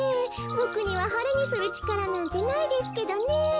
ボクにははれにするちからなんてないですけどねえ。